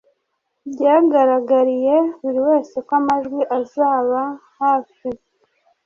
byagaragariye buri wese ko amajwi azaba hafi